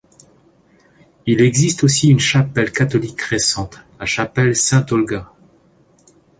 Il existe aussi une chapelle catholique récente, la chapelle Sainte-Olga.